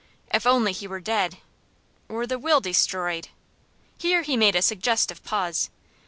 If only he were dead or the will destroyed " Here he made a suggestive pause.